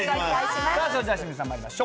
それでは清水さんまいりまし